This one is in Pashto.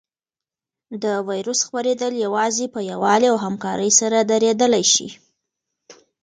د وېروس خپرېدل یوازې په یووالي او همکارۍ سره درېدلی شي.